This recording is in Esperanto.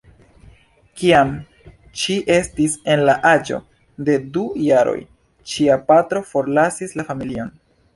Kiam ŝi estis en la aĝo de du jaroj ŝia patro forlasis la familion.